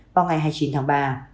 vào ngày hai mươi chín tháng ba